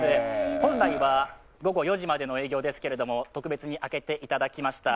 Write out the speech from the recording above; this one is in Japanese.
本来は午後４時までの営業ですけれども特別に開けていただきました。